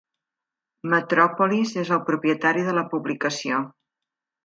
Metropolis és el propietari de la publicació.